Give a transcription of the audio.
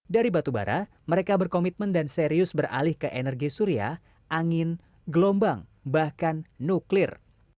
dari batubara mereka berkomitmen dan serius beralih ke energi surya angin gelombang bahkan nuklir